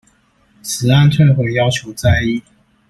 此案退回要求再議